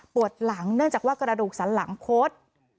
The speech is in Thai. หลังเนื่องจากว่ากระดูกสันหลังโค้ด